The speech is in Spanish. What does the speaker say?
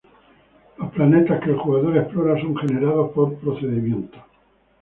Los planetas que el jugador explora son generados por procedimientos.